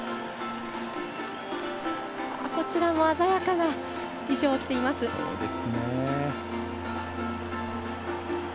こちらも鮮やかな衣装を着ています。